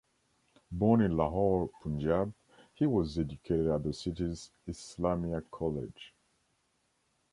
Born in Lahore, Punjab, he was educated at the city's Islamia College.